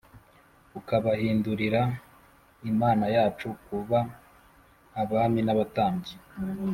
ukabahindurira Imana yacu kuba abami n’abatambyi,